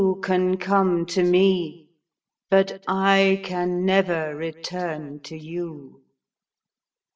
You can come to me, but I can never return to you.